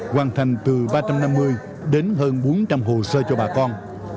hoàn thành từ ba trăm năm mươi đến hơn bốn trăm linh hồ sơ cho bà con